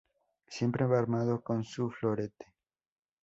Siempre va armado con su florete.